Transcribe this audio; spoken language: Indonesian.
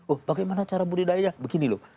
oh bagaimana cara budidaya begini loh